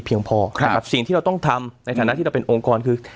พอนะครับสิ่งที่เราต้องทำในฐานะที่เราเป็นองค์กรคือ